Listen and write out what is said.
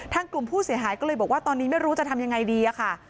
กลุ่มผู้เสียหายก็เลยบอกว่าตอนนี้ไม่รู้จะทำยังไงดีอะค่ะ